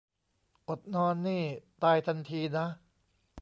อดนอนนี่ตายทันทีนะ